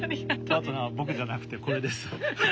パートナーは僕じゃなくてこれです。